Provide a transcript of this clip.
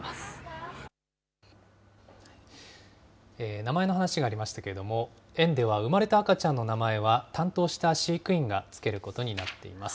名前の話がありましたけれども、園では生まれた赤ちゃんの名前は担当した飼育員が付けることになっています。